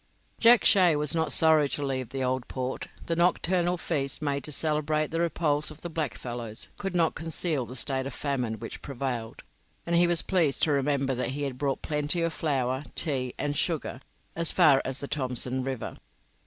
Jack Shay was not sorry to leave the Old Port. The nocturnal feast made to celebrate the repulse of the blackfellows could not conceal the state of famine which prevailed, and he was pleased to remember that he had brought plenty of flour, tea, and sugar as far as the Thomson river.